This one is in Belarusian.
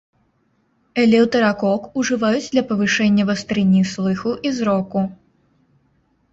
Элеўтэракок ужываюць для павышэння вастрыні слыху і зроку.